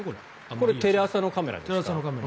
これはテレ朝のカメラですか。